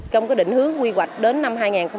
trong định hướng quy hoạch đến năm hai nghìn ba mươi